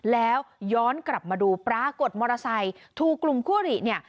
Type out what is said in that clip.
แล้วย้อนกลับมาดูปรากฏมอเตอร์ไซค์ถูกกลุ่มคู่หลีเนี่ย